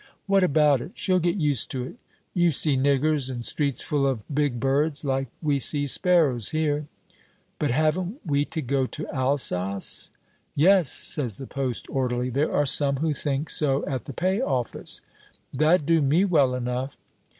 "What about it? She'll get used to it. You see niggers, and streets full of big birds, like we see sparrows here." "But haven't we to go to Alsace?" "Yes," says the post orderly, "there are some who think so at the Pay office." "That'd do me well enough."